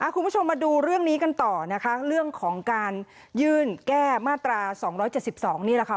คุณผู้ชมมาดูเรื่องนี้กันต่อนะคะเรื่องของการยื่นแก้มาตราสองร้อยเจ็ดสิบสองนี่แหละค่ะ